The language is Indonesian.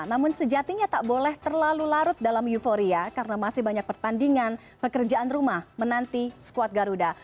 namun sejatinya tak boleh terlalu larut dalam euforia karena masih banyak pertandingan pekerjaan rumah menanti skuad garuda